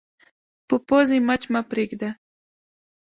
په پوزې مچ مه پرېږده